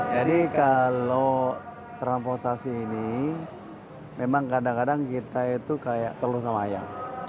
jadi kalau transportasi ini memang kadang kadang kita itu kayak telur sama ayam